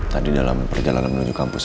tadi dalam perjalanan menuju kampus